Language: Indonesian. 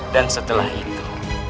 dan setelah itu